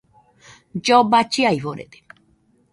Lloba chiaforede